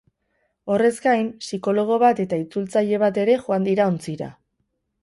Horrez gain, psikologo bat eta itzultzaile bat ere joan dira ontzira.